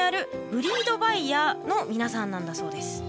「ブリードバイヤー」の皆さんなんだそうです。